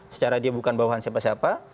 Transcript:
secara dia bukan bawahan siapa siapa